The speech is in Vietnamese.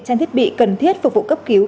trang thiết bị cần thiết phục vụ cấp cứu